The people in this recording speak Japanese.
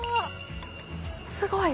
すごい。